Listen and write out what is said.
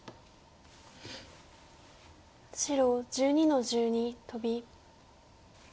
白１２の十二トビ。